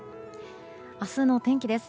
明日の天気です。